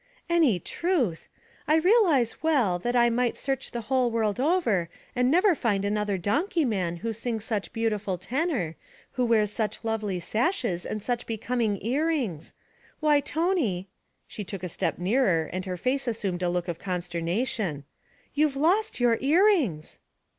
'Any truth! I realize well, that I might search the whole world over and never find another donkey man who sings such beautiful tenor, who wears such lovely sashes and such becoming earrings. Why, Tony' she took a step nearer and her face assumed a look of consternation 'you've lost your earrings!'